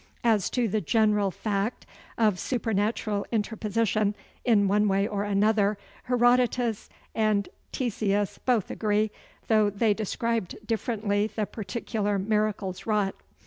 As to the general fact of supernatural interposition, in one way or another, Herodotus and Ctesias both agree, though they described differently the particular miracles wrought.